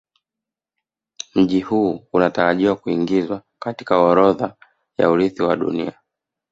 Mji huu unatarajiwa kuingizwa katika orodha ya Urithi wa Dunia